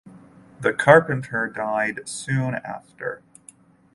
The carpenter died soon after.